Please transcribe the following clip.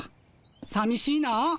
さみしいなあ。